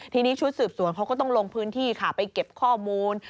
ทีนี้ชุดสืบสวนเขาก็ต้องลงพื้นที่ค่ะไปเก็บข้อมูล